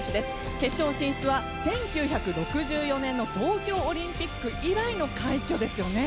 決勝進出は１９６４年の東京オリンピック以来の快挙ですよね。